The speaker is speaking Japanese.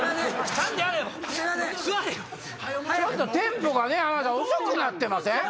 ちょっとテンポが遅くなってません？